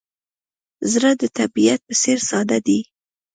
زړه د طبیعت په څېر ساده دی.